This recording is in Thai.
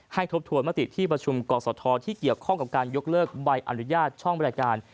ทบทวนมติที่ประชุมกศธที่เกี่ยวข้องกับการยกเลิกใบอนุญาตช่องบริการ